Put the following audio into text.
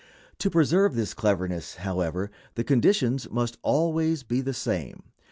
To preserve this cleverness, however, the conditions must always be the same.